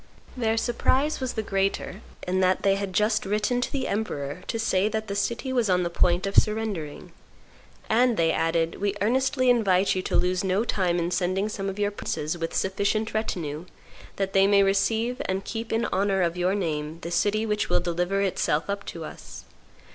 Their surprise was the greater in that they had just written to the emperor to say that the city was on the point of surrendering, and they added, "We earnestly invite you to lose no time in sending some of your princes with sufficient retinue, that they may receive and keep in honor of your name the city which will deliver itself up to us.